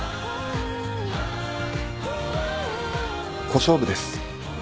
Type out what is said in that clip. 小勝負です。